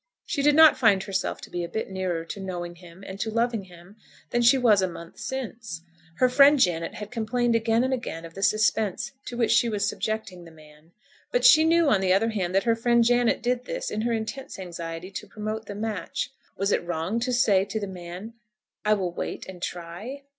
She did not find herself to be a bit nearer to knowing him and to loving him than she was a month since. Her friend Janet had complained again and again of the suspense to which she was subjecting the man; but she knew on the other hand that her friend Janet did this in her intense anxiety to promote the match. Was it wrong to say to the man "I will wait and try?"